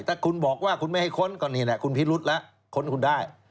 ถ้าคุณบอกว่าคุณไม่ให้ค้นก็นี่แหละคุณพิรุษแล้วค้นคุณได้